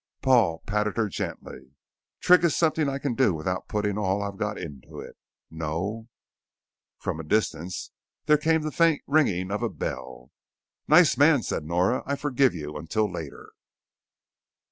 Paul patted her gently. "Trig is something I can do without putting all I've got into it. No " From a distance there came the faint ringing of a bell. "Nice man," said Nora. "I forgive you until later."